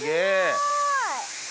すごい！